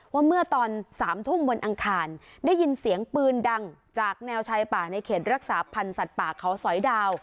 ว่าเมื่อตอน๓ทุ่มวันอังคารได้ยินเสียงปืนดังจากแนวชายป่าในเขตรักษาพันธ์สัตว์ป่าเขาสอยดาว